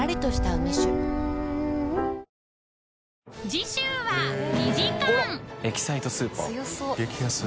次週は２時間「エキサイトスーパー」強そう名前。